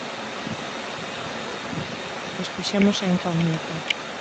Despexamos a incógnita.